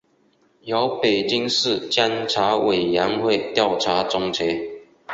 由北京市监察委员会调查终结